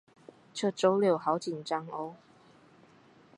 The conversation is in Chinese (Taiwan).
這週六好緊張喔